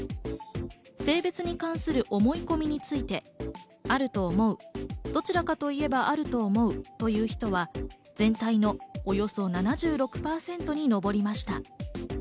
性別に関する思い込みについて、あると思う、どちらかといえばあると思うという人は全体のおよそ７６％に上りました。